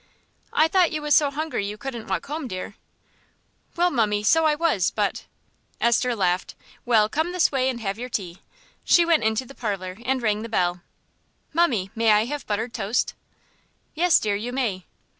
"I thought you was so hungry you couldn't walk home, dear?" "Well, mummie, so I was, but " Esther laughed. "Well, come this way and have your tea." She went into the parlour and rang the bell. "Mummie, may I have buttered toast?" "Yes, dear, you may."